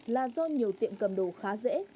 là do nhiều tiệm cầm đồ khá dễ